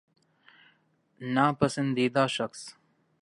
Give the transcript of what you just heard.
نا پسندیدہ شخص